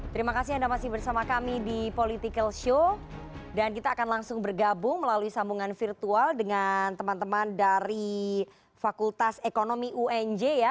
terima kasih anda masih bersama kami di political show dan kita akan langsung bergabung melalui sambungan virtual dengan teman teman dari fakultas ekonomi unj ya